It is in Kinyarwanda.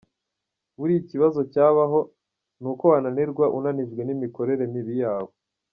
Buriya ikibazo cyabaho ni uko wananirwa unanijwe n’imikorere mibi yawe.